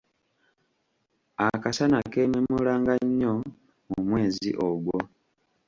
Akasana keememulanga nnyo mu mwezi ogwo.